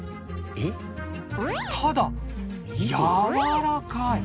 ただやわらかい！